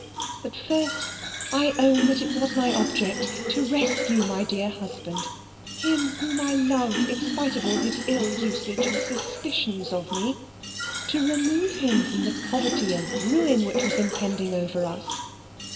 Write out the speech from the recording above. But, first, I own that it was my object to rescue my dear husband him whom I love in spite of all his ill usage and suspicions of me to remove him from the poverty and ruin which was impending over us.